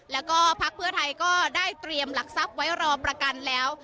แล้วก็พักเพื่อไทยก็ได้เตรียมหลักทรัพย์ไว้รอประกันแล้ว